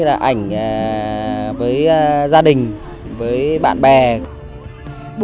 rất là đẹp